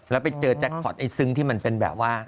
แล้วไปเจอแจ็คพอร์ตไอ้ซึ้งที่มันเป็นแบบว่า